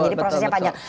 jadi prosesnya panjang